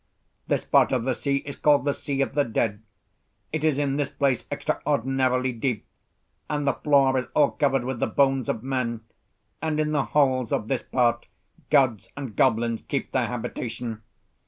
This part of the sea is called the Sea of the Dead. It is in this place extraordinarily deep, and the floor is all covered with the bones of men, and in the holes of this part gods and goblins keep their habitation.